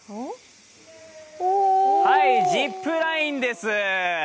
ジップラインです。